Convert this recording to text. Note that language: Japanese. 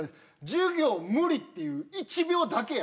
授業無理っていう１秒だけやん